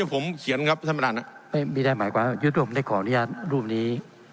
ผมเขียนครับท่านประธานไม่ได้หมายความยุติธรรมได้ขออนุญาตรูปนี้